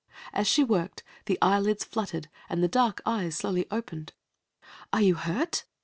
As she worked, the eyelids fluttered, and the dark eyes slowly opened. "Are you hurt?"